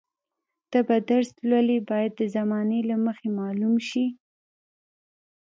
ته به درس ولولې باید د زمانې له مخې معلوم شي.